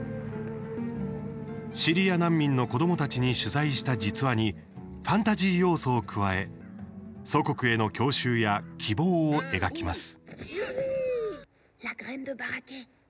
シリア難民の子どもたちに取材した実話にファンタジー要素を加え祖国への郷愁や希望を描きます。